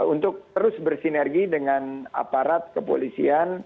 untuk terus bersinergi dengan aparat kepolisian